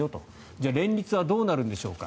じゃあ連立はどうなるんでしょうか。